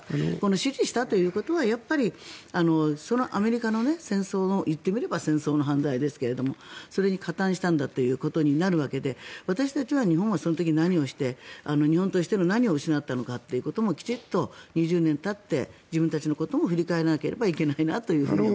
支持したということはやっぱりアメリカの戦争の言ってみれば戦争の犯罪ですがそれに加担したことになるわけで私たちは日本はその時に何をして日本としての何を失ったのかということもきちんと２０年たって自分たちのことも振り返らなければいけないなと思います。